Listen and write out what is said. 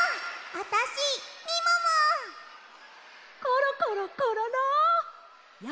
あたしコロコロコロロ！